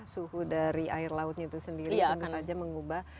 suhu dari air lautnya itu sendiri itu saja mengubah